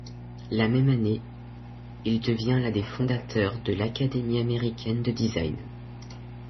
La même année, il devient l'un des fondateurs de l'Académie américaine de design.